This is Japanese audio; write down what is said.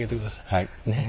はい。